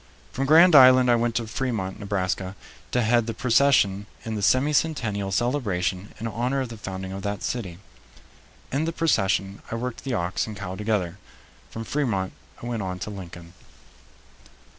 From Grand Island I went to Fremont, Nebraska, to head the procession in the semi centennial celebration in honor of the founding of that city. In the procession I worked the ox and cow together. From Fremont I went on to Lincoln.